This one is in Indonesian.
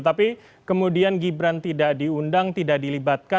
tapi kemudian gibran tidak diundang tidak dilibatkan